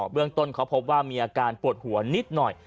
เรื่องต้นเขาพบว่ามีอาการปวดหัวนิดหน่อย